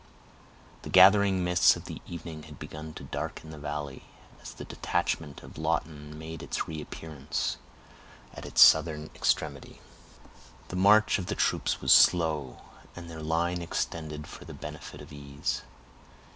The gathering mists of the evening had begun to darken the valley, as the detachment of Lawton made its reappearance, at its southern extremity. The march of the troops was slow, and their line extended for the benefit of ease.